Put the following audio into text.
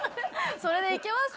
それでいけますか？